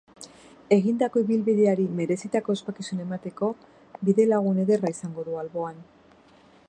Egindako ibilbideari merezitako ospakizuna emateko bidelagun ederra izango du alboan.